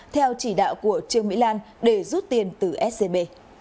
theo chỉ đạo của trương mỹ lan để rút tiền từ scb